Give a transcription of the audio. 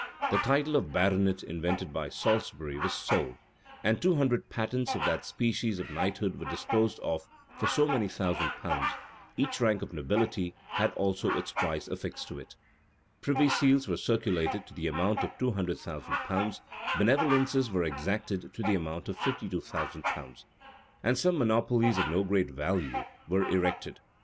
The title of baronet, invented by Salisbury, was sold; and two hundred patents of that species of knighthood were disposed of for so many thousand pounds; each rank of nobility had also its price affixed to it:[] privy seals were circulated to the amount of two hundred thousand pounds: benevolences were exacted to the amount of fifty two thousand pounds:[] and some monopolies, of no great value, were erected.